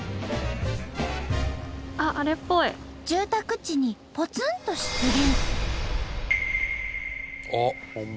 住宅地にぽつんと出現！